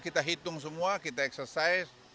kita hitung semua kita eksersis